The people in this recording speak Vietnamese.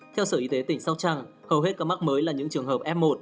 theo sở y tế tỉnh sóc trăng hầu hết các mắc mới là những trường hợp f một